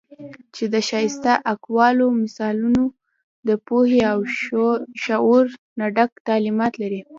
چې د ښائسته اقوالو، مثالونو د پوهې او شعور نه ډک تعليمات لري